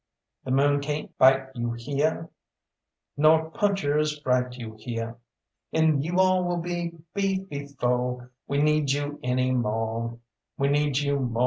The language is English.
The moon cayn't bite you heah, Nor punchers fright you heah, And you all will be beef befo' We need you any mo' We need you mo'!"